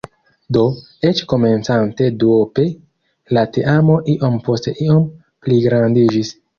Do, eĉ komencante duope, la teamo iom post iom pligrandiĝis.